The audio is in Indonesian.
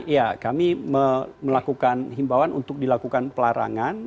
ya kami melakukan himbawan untuk dilakukan pelarangan